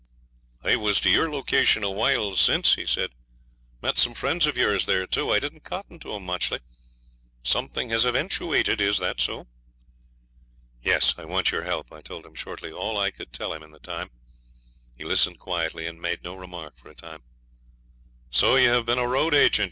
'I was to your location a while since,' he said. 'Met some friends of yours there too. I didn't cotton to 'em muchly. Something has eventuated. Is that so?' 'Yes. I want your help.' I told him shortly all I could tell him in the time. ..... He listened quietly, and made no remark for a time. 'So ye hev' bin a road agent.